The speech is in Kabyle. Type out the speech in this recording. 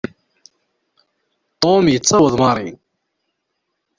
Tom yettaweḍ Mary.